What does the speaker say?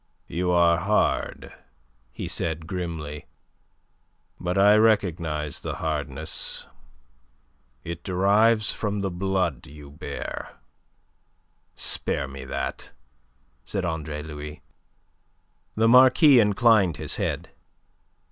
"You are hard," he said grimly. "But I recognize the hardness. It derives from the blood you bear." "Spare me that," said Andre Louis. The Marquis inclined his head.